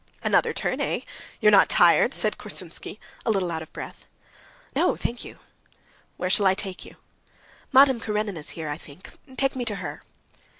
"Another turn, eh? You're not tired?" said Korsunsky, a little out of breath. "No, thank you!" "Where shall I take you?" "Madame Karenina's here, I think ... take me to her."